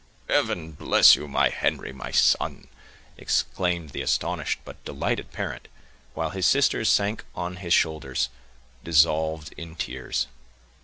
"Heaven bless you, my Henry, my son!" exclaimed the astonished but delighted parent; while his sisters sank on his shoulders, dissolved in tears.